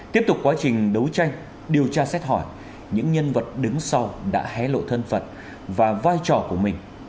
tiếp tục quá trình đấu tranh điều tra xét hỏi những nhân vật đứng sau đã hé lộ thân phận và vai trò của mình